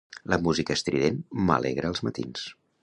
La música estrident m'alegra els matins.